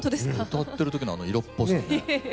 歌ってる時のあの色っぽさね。